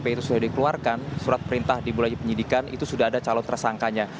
spdp itu sudah dikeluarkan surat perintah di bulan penyelidikan itu sudah ada calon tersangkanya